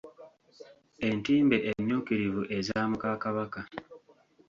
Entimbe emmyukirivu eza muka kabaka.